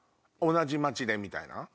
同じ街でみたいな？